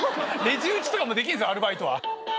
レジ打ちとかもできるんすよアルバイトは。